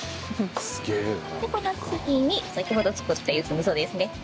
でこの次に先ほど作ったゆず味噌ですね。